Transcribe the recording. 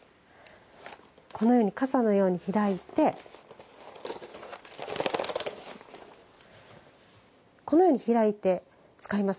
傘のように開いてこのように開いて使います。